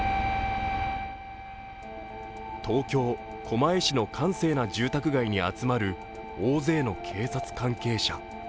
東京・狛江市の閑静な住宅街に集まる大勢の警察関係者。